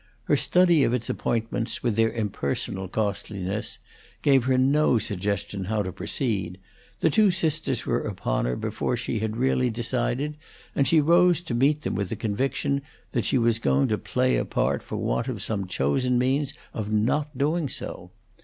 Her study of its appointments, with their impersonal costliness, gave her no suggestion how to proceed; the two sisters were upon her before she had really decided, and she rose to meet them with the conviction that she was going to play a part for want of some chosen means of not doing so.